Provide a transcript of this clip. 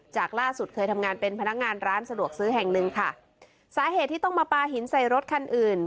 จากล่าสุดเคยทำงานเป็นพนักงานร้านสะดวกซื้อแห่งหนึ่งค่ะสาเหตุที่ต้องมาปลาหินใส่รถคันอื่น